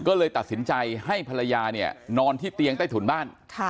ก็เลยตัดสินใจให้ภรรยาเนี่ยนอนที่เตียงใต้ถุนบ้าน